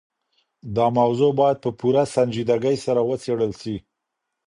دا موضوع بايد په پوره سنجيدګۍ سره وڅېړل سي.